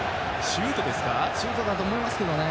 シュートだと思いますけどね。